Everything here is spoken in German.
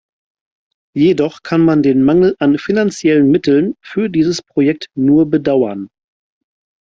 Jedoch kann man den Mangel an finanziellen Mitteln für dieses Projekt nur bedauern.